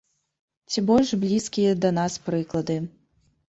Ці больш блізкія да нас прыклады.